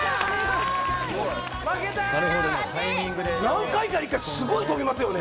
何回かに１回すごい跳びますよね。